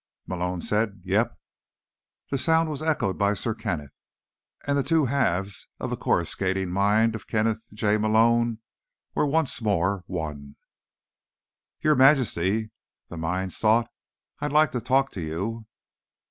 Malone said: "Yeep." The sound was echoed by Sir Kenneth, and the two halves of the coruscating mind of Kenneth J. Malone were once more one. Your Majesty, the minds thought, _I'd like to talk to you.